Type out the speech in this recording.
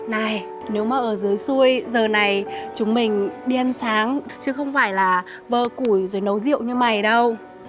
này nếu mà ở dưới xuôi giờ này chúng mình đi ăn sáng chứ không phải là vơ củi rồi nấu rượu như mài ở đâu